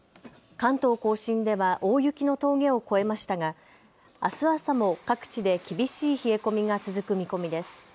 関東甲信では大雪の峠を越えましたが、あす朝も各地で厳しい冷え込みが続く見込みです。